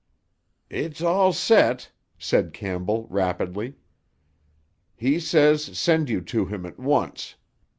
"It's all set," said Campbell rapidly. "He says send you to him at once.